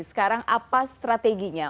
sekarang apa strateginya